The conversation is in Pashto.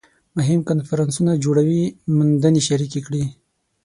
مهم کنفرانسونه جوړوي موندنې شریکې کړي